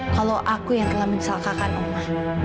kalo aku yang telah mencelakakan oma